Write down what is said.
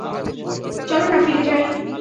চল না ফিরে যাই।